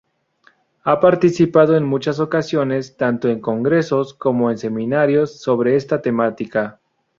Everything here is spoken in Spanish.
Ha participado en muchas ocasiones tanto en congresos como en seminarios sobre esta temática.